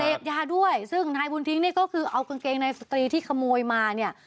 เสพยาด้วยซึ่งนายบุญทิ้งนี่ก็คือเอากางเกงในสตรีที่ขโมยมาเนี่ย